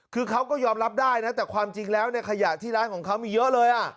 คือเขาก็ยอมรับได้นะแต่ความจริงแล้วเนี่ยขยะที่ร้านของเขามีเยอะเลย